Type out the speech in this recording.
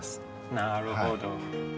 なるほど。